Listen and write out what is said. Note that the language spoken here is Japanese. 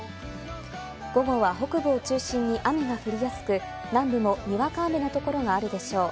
午後は北部を中心に雨が降りやすく、南部もにわか雨の所があるでしょう。